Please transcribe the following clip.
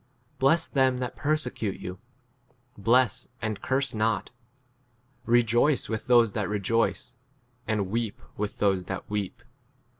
Bless them that per secute you ; bless, and curse not. 15 Eejoice with those that rejoice, and weep with those that weep.